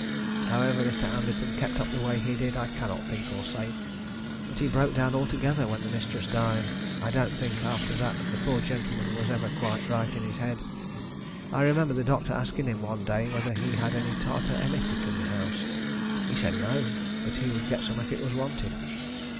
How ever Mr. Anderton kept up the way he did, I cannot think or say, but he broke down altogether when the mistress died. I don't think after that the poor gentleman was ever quite right in his head. I remember the doctor asking him one day whether he had any tartar emetic in the house. He said no, but he would get some if it was wanted.